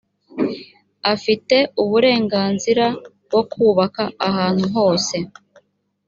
afite uburenganzira bwo kubaka ahantu hose